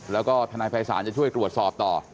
แล้วก็ทนายภัยศาลจะช่วยตรวจสอบต่อ